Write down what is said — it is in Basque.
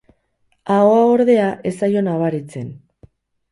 Ahoa ordea ez zaio nabaritzen.